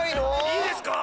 いいですか？